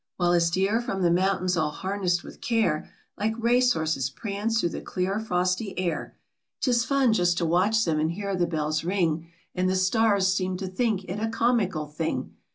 While his deer from the mountains all harnessed with care, Like race horses prance through the clear frosty air WHERE SANTA CLAUS LIVES , AND WHAT HE DOES. Tis fun just to watch them, and hear the bells ring, And the stars seem to think it a comical thing.